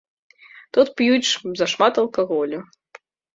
Тут п'юць зашмат алкаголю.